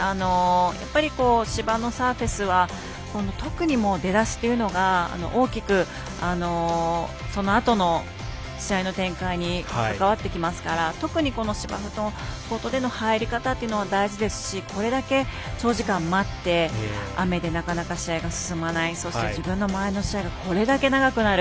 やっぱり芝のサーフェスは特に出だしというのが大きく、そのあとの試合の展開に関わってきますから特に芝生のコートでの入り方というのは大事ですしこれだけ、長時間待って雨でなかなか試合が進まない自分の前の試合がこれだけ長くなる。